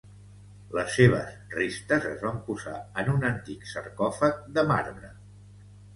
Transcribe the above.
Les seves restes es van posar en un antic sarcòfag de marbre.